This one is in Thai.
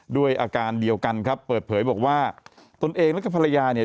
ด้วยอาการเดียวกันครับเปิดเผยบอกว่าตนเองแล้วก็ภรรยาเนี่ย